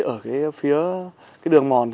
ở phía đường mòn